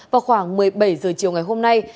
vào khoảng một mươi bảy h chiều ngày hôm nay